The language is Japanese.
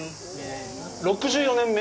６４年目。